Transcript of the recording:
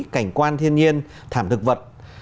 cảnh quan thiên nhiên thảm thực vật